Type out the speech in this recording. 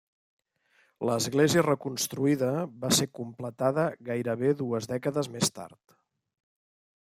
L'església reconstruïda va ser completada gairebé dues dècades més tard.